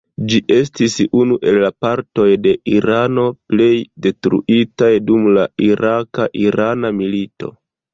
Ĝi estis unu el la partoj de Irano plej detruitaj dum la iraka-irana milito.